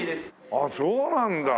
ああそうなんだ。